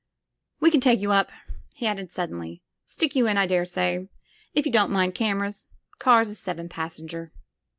"We can take you up," he added suddenly; "stick you in, I dare say. If you don't mind cameras. Car's a seven passenger."